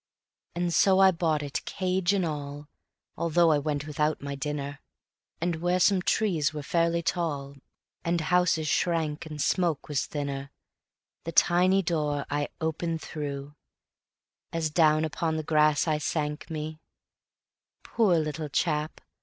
And so I bought it, cage and all (Although I went without my dinner), And where some trees were fairly tall And houses shrank and smoke was thinner, The tiny door I open threw, As down upon the grass I sank me: Poor little chap!